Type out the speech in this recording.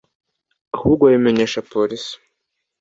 ahubwo babimenyesha Polisi